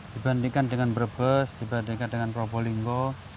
dibandingkan dengan brebes dibandingkan dengan probolinggo